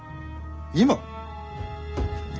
今？